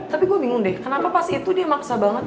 tapi gue bingung deh kenapa pas itu dia maksa banget